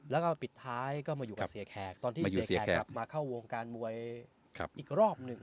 แล้วก็ปิดท้ายก็มาอยู่กับเสียแขกตอนที่เสียแขกกลับมาเข้าวงการมวยอีกรอบหนึ่ง